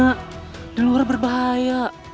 kamu mau merampok ya